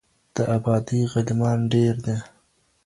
د آبادۍ غلیمان ډیر دي